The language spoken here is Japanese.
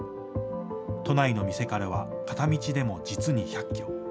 都内の店からは片道でも実に１００キロ。